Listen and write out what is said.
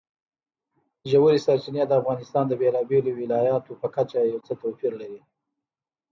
ژورې سرچینې د افغانستان د بېلابېلو ولایاتو په کچه یو څه توپیر لري.